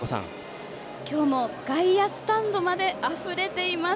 今日も外野スタンドまであふれています。